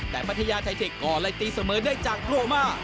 แต่พัทยาไทเทคก็ไล่ตีเสมอได้จากโรมา